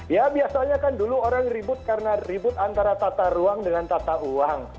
ya biasanya kan dulu orang ribut karena ribut antara tata ruang dengan tata ruang